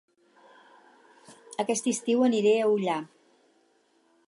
Aquest estiu aniré a Ullà